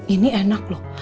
ini enak loh